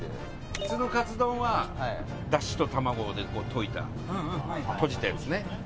普通のカツ丼はダシと卵で溶いたとじたやつね。